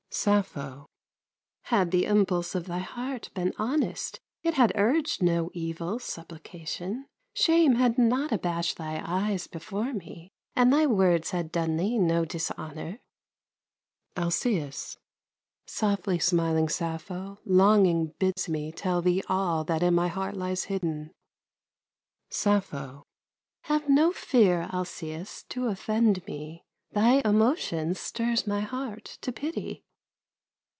SAPPHO Had the impulse of thy heart been honest, It had urged no evil supplication; Shame had not abashed thy eyes before me, And thy words had done thee no dishonor. ALCÆUS Softly smiling Sappho, longing bids me Tell thee all that in my heart lies hidden. SAPPHO Have no fear, Alcæus, to offend me! Thy emotion stirs my heart to pity.